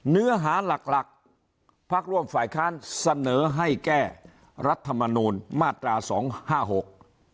เนื้อหาหลักหลักพักร่วมฝ่ายค้านเสนอให้แก้รัฐมนูลมาตราสองห้าหก